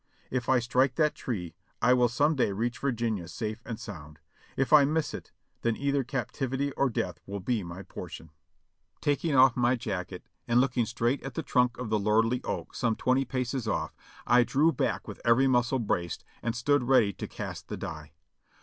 "If I strike that tree, I will some day reach Virginia safe and sound ; if I miss it, then either captivity or death will be my portion." CROSSING THE POTOMAC ON A RAFT 475 Taking off my jacket, and looking straight at the trunk of the lordly oak some twenty paces off, I drew back with every muscle braced and stood ready to cast the die.